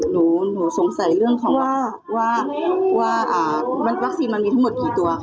ตอนนี้หนูสงสัยเรื่องว่าวัคซีนมันมีทั้งหมดกี่ตัวคะ